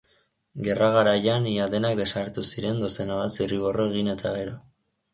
Gerra-garaian ia denak desagertu ziren dozena bat zirriborro egin eta gero.